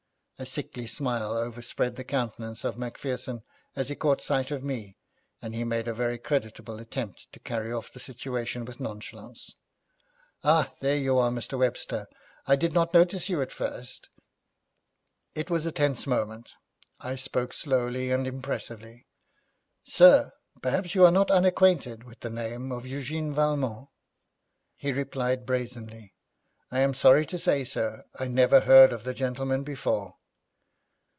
A sickly smile overspread the countenance of Macpherson as he caught sight of me, and he made a very creditable attempt to carry off the situation with nonchalance. 'Oh, there you are, Mr. Webster; I did not notice you at first.' It was a tense moment. I spoke slowly and impressively. 'Sir, perhaps you are not unacquainted with the name of Eugène Valmont.' He replied brazenly, 'I am sorry to say, sir, I never heard of the gentleman before.'